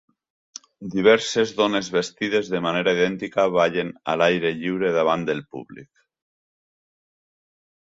Diverses dones vestides de manera idèntica ballen a l'aire lliure davant del públic.